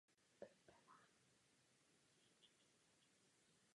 Richelieu si jej velmi oblíbil a časem z něj učinil svého sekretáře.